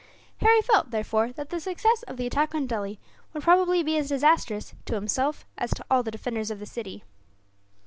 Harry felt, therefore, that the success of the attack on Delhi would probably be as disastrous, to himself, as to all the defenders of the city.